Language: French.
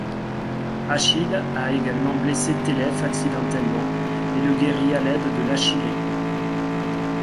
Achille a également blessé Télèphe accidentellement, et le guérit à l'aide de l'achillée.